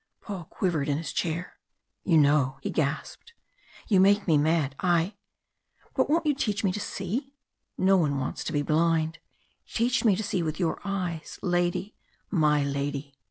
Paul quivered in his chair. "You know!" he gasped. "You make me mad I But won't you teach me to see? No one wants to be blind! Teach me to see with your eyes, lady my lady."